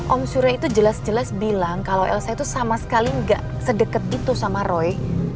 om surya itu jelas jelas bilang kalo elsa itu sama sekali gak sedeket itu sama roy